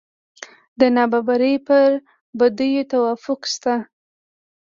د نابرابرۍ پر بدیو توافق شته.